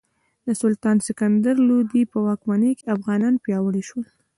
د سلطان سکندر لودي په واکمنۍ کې افغانان پیاوړي شول.